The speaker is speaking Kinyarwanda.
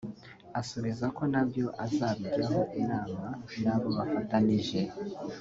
asubiza ko nabyo azabijyaho inama n’abo bafatanije